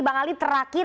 bang ali terakhir